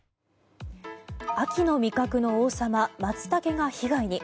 秋の味覚の王様マツタケが被害に。